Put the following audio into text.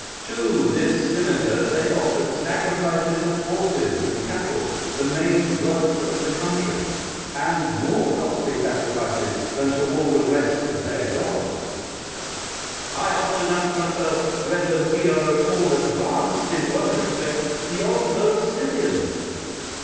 To this cimeter they offered sacrifices of horses and cattle, the main wealth of the country, and more costly sacrifices than to all the rest of their gods. I often ask myself whether we are at all advanced in one respect beyond those Scythians.